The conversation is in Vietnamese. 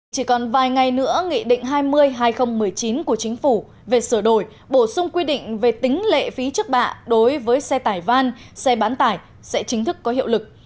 chỉ còn vài ngày nữa nghị định hai mươi hai nghìn một mươi chín của chính phủ về sửa đổi bổ sung quy định về tính lệ phí trước bạ đối với xe tải van xe bán tải sẽ chính thức có hiệu lực